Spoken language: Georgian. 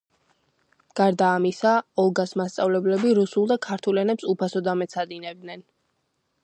გარდა ამისა, ოლგას მასწავლებლები რუსულ და ქართულ ენებში უფასოდ ამეცადინებდნენ.